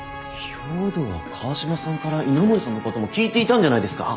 兵藤は川島さんから稲森さんのことも聞いていたんじゃないですか？